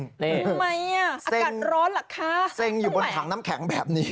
ทำไมอ่ะอากาศร้อนล่ะคะเซ็งอยู่บนถังน้ำแข็งแบบนี้